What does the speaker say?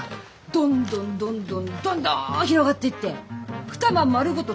どんどんどんどんどんどん広がっていって２間丸ごと